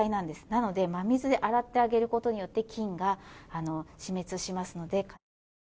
なので真水で洗うことによって菌が死滅しますので。